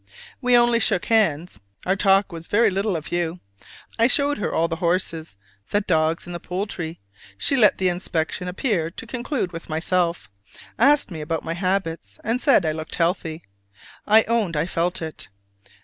We only shook hands. Our talk was very little of you. I showed her all the horses, the dogs, and the poultry; she let the inspection appear to conclude with myself: asked me my habits, and said I looked healthy. I owned I felt it.